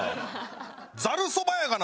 ざるそばやがな！